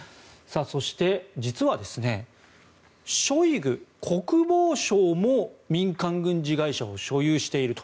そして、実はショイグ国防相も民間軍事会社を所有していると。